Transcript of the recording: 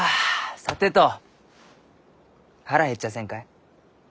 さてと腹減っちゃあせんかえ？